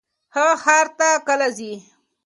هغه ښار ته کله ځي؟